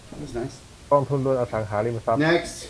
กองทุนรวมอสังหาริมทรัพย์